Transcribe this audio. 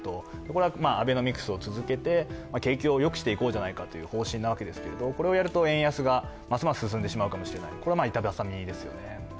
これはアベノミクスを続けて、景気をよくしていこうという方針なわけですが、これをやると円安がますます進んでしまうかもしれない、これは板挟みですよね。